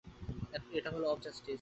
এটা হল of justice.